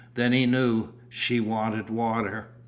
Then he knew. She wanted water.